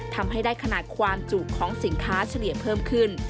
ทำให้ได้ขนาดความจุของสินค้าเฉลี่ยเพิ่มขึ้น